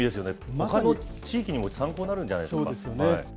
まさにほかの地域にも参考になるんじゃないですか。